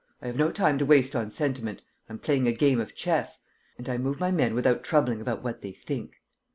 I have no time to waste on sentiment. I'm playing a game of chess; and I move my men without troubling about what they think.